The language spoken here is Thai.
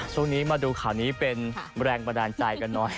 ช่วงนี้มาดูข่าวนี้เป็นแรงบันดาลใจกันหน่อย